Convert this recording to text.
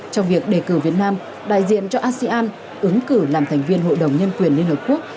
trong việc đề cử việt nam đại diện cho asean ứng cử làm thành viên hội đồng nhân quyền liên hợp quốc